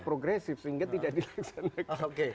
progresif sehingga tidak di laksanakan